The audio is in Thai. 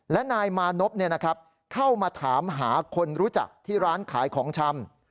และนายมานพเข้ามาถามหาคนรู้จักที่ร้านขายของชำ